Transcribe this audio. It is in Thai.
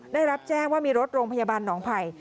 ได้รับแจ้งว่ามีรถโรงพยาบาลหนองไผ่